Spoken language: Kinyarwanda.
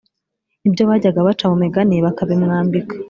n’ibyo bajyaga baca mu migani bakabimwambika